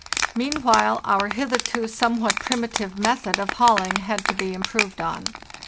Mean while our hitherto somewhat primitive method of hauling had to be improved on.